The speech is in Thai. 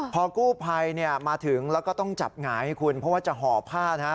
พอกู้ภัยเนี่ยมาถึงแล้วก็ต้องจับหงายให้คุณเพราะว่าจะห่อผ้านะฮะ